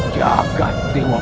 kau akan menang